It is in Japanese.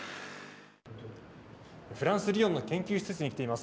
フランス、リヨンの研究施設に来ています。